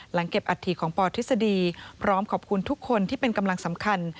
เก็บอัฐิของปทฤษฎีพร้อมขอบคุณทุกคนที่เป็นกำลังสำคัญ